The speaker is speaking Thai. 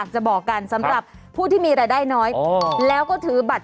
ใช้เมียได้ตลอด